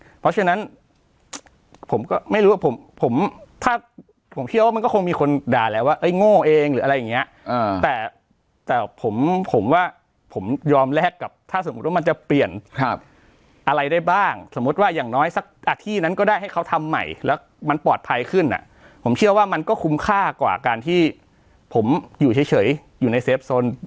เพราะฉะนั้นผมก็ไม่รู้ว่าผมผมถ้าผมเชื่อว่ามันก็คงมีคนด่าแล้วว่าเอ้โง่เองหรืออะไรอย่างเงี้ยแต่แต่ผมผมว่าผมยอมแลกกับถ้าสมมุติว่ามันจะเปลี่ยนอะไรได้บ้างสมมุติว่าอย่างน้อยสักอาที่นั้นก็ได้ให้เขาทำใหม่แล้วมันปลอดภัยขึ้นอ่ะผมเชื่อว่ามันก็คุ้มค่ากว่าการที่ผมอยู่เฉยอยู่ในเฟฟโซน